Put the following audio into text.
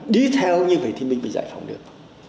đi theo như vậy thì mình mới giải phóng được